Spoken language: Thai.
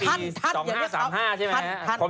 ปลาหมึกแท้เต่าทองอร่อยทั้งชนิดเส้นบดเต็มตัว